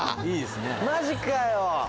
マジかよ！